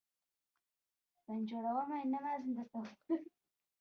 علت یې زما له دا ډول موضوعاتو سره علاقه ده.